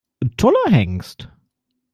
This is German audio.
Toller Hengst!